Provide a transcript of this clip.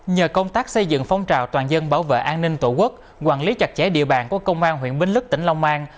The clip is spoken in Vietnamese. nhờ công tác xây dựng phong trào toàn dân bảo vệ an ninh tổ quốc quản lý chặt chẽ địa bàn của công an huyện binh lức tỉnh long an